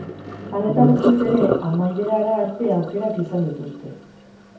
Hala eta guztiz ere, amaierara arte aukerak izan dituzte.